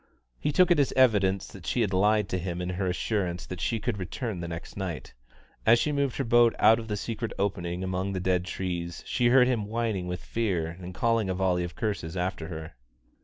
He took it as evidence that she had lied to him in her assurance that she could return the next night. As she moved her boat out of the secret openings among the dead trees, she heard him whining with fear and calling a volley of curses after her.